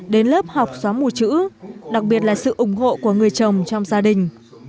đến lớp học xóa mù chữ đặc biệt là sự ủng hộ của người chồng trong gia đình